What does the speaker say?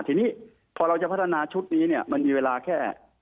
ทีนี้พอเราจะพัฒนาชุดนี้เนี่ยมันมีเวลาแค่